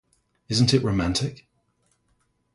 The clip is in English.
Isn't It Romantic?